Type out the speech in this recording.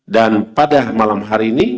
dan pada malam hari ini